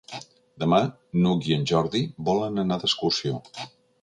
Demà n'Hug i en Jordi volen anar d'excursió.